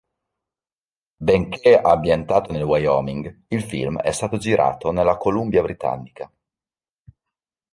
Benché ambientato nel Wyoming, il film è stato girato nella Columbia Britannica.